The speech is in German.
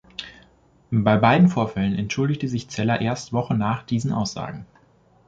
Bei beiden Vorfällen entschuldigte sich Zeller erst Wochen nach diesen Aussagen.